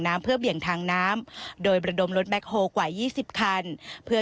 เพื่อเบี่ยงทางน้ำโดยประดมรถแบ็คโฮลกว่ายี่สิบคันเพื่อ